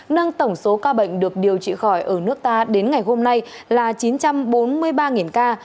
nâng tổng số ca bệnh được điều trị khỏi ở nước ta đến ngày hôm nay là chín trăm bốn mươi ba ca